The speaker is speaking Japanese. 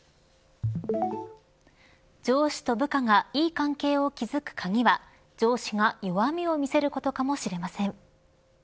上司と部下がいい関係を築く鍵は上司が弱みを見せることかもしれません。